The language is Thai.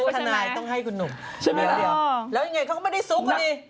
จะได้รู้ใช่ไหมใช่ไหมครับอ๋อแล้วยังไงเขาก็ไม่ได้ซุกกันดิ